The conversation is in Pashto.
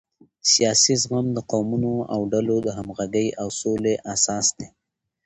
سیاسي زغم د قومونو او ډلو د همغږۍ او سولې اساس دی